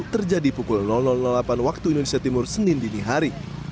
terjadi pukul delapan waktu indonesia timur senin dinihari